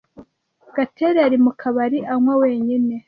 Gatera yari mu kabari anywa wenyine.